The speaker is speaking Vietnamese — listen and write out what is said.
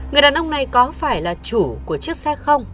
người đàn ông này có phải là chủ của chiếc xe không